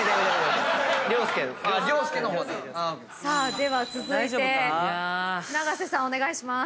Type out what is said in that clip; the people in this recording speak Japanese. では続いて永瀬さんお願いします。